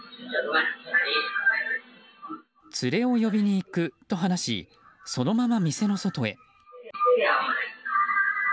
連れを呼びにいくと話しそのまま店の外へ。